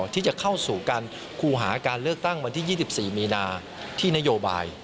ที่จะเข้าสู่การคูหาการเลือกตั้งวันที่๒๔มีนาที่นโยบาย